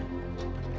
oh kamu mau nyusuk